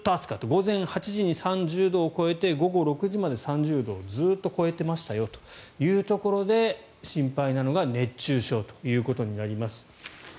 午前８時に３０度を超えて午後６時まで３０度をずっと超えてましたよというところで心配なのが熱中症ということになります。